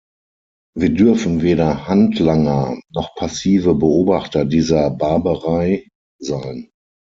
Wir dürfen weder Handlanger noch passive Beobachter dieser Barbarei sein.